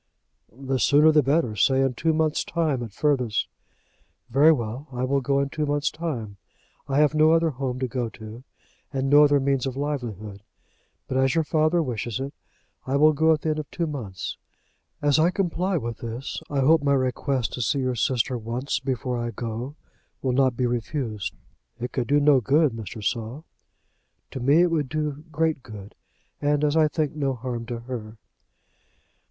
"The sooner the better; say in two months' time at furthest." "Very well. I will go in two months' time. I have no other home to go to, and no other means of livelihood; but as your father wishes it, I will go at the end of two months. As I comply with this, I hope my request to see your sister once before I go will not be refused." "It could do no good, Mr. Saul." "To me it would do great good, and, as I think, no harm to her."